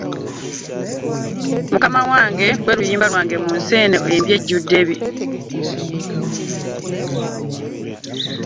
Mukama wange gwe luyimba lwange munsi eno embi ejjudde ebibi.